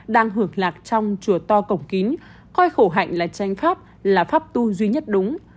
đang hưởng lạc trong chùa to cổng kín coi khổ hạnh là tranh pháp là pháp tu duy nhất đúng